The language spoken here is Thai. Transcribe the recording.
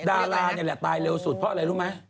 ดารานี่แหละตายเร็วสุดเพราะอะไรรู้ไหม